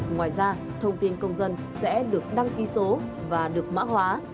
ngoài ra thông tin công dân sẽ được đăng ký số và được mã hóa